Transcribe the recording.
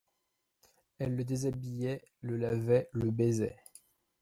Elle le déshabillait, le lavait, le baisait.